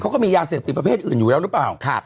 เขาก็มียาเสพติดประเภทอื่นอยู่แล้วหรือเปล่า